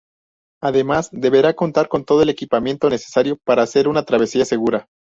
Además deberá contar con todo el equipamiento necesario para hacer una travesía segura.